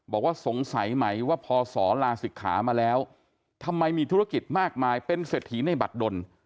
บอกว่าสงสัยไหมว่าพศลาศิกขามาแล้วทำไมมีธุรกิจมากมายเป็นเศรษฐีในบัตรดน